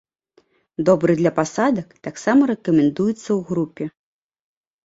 Добры для пасадак, таксама рэкамендуецца ў групе.